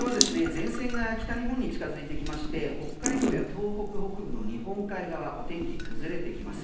前線が北日本に近づいてきまして北海道や東北北部の日本海側お天気崩れていきます。